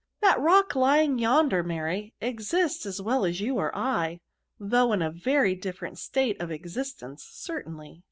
That rock lying yonder, Mary, exists, as well as you or I, though in a very different state of existence, certainly."